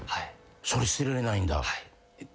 それ捨てられないんだ？